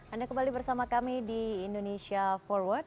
anda kembali bersama kami di indonesia forward